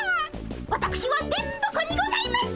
わたくしは電ボ子にございます！